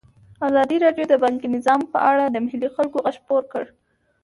ازادي راډیو د بانکي نظام په اړه د محلي خلکو غږ خپور کړی.